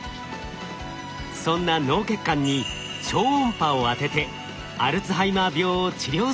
そんな脳血管に超音波を当ててアルツハイマー病を治療する研究も。